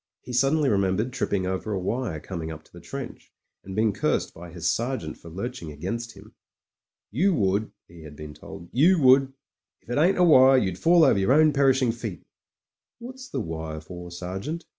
He suddenly remembered tripping over a wire coming up to the trench, and being cursed by his sergeant for lurching against him. "You would," he had been told — "you would. If it ain't a wire, you'd fall over yer own perishing feet." "What's the wire for, sergint